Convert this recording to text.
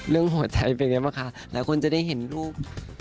หัวใจเป็นไงบ้างคะหลายคนจะได้เห็นรูป